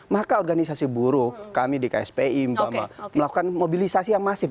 maka organisasi buruh kami di kspi melakukan mobilisasi yang masif